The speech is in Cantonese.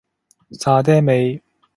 沙嗲味